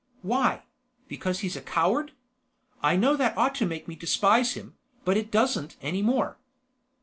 "Why? Because he's a coward? I know that ought to make me despise him, but it doesn't any more."